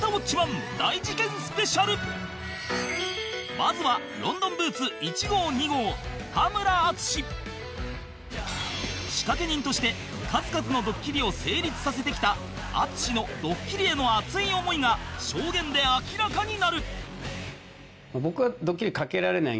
まずは仕掛け人として数々のドッキリを成立させてきた淳のドッキリへの熱い思いが証言で明らかになる